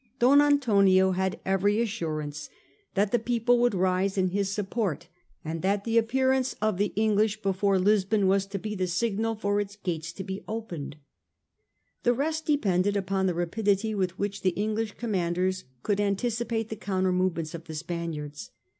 Don Antonio had every assurance that the people would rise in his support, and that the appearance of the English before i84 SIR FRANCIS DRAKE chap. Lisbon was to be the signal for its gates to be opened. The rest depended upon the rapidity with which the English commanders could anticipate the counter move ments of the Spaniards.